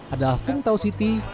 adalah phuong thao city